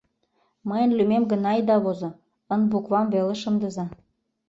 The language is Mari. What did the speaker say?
Мыйын лӱмем гына ида возо, «Н» буквам веле шындыза.